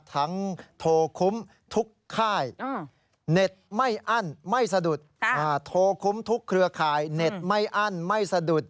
ทั้งโทรคุ้มทุกค่ายเน็ตไม่อั้นไม่สะดุด